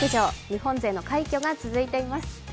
日本勢の快挙が続いています。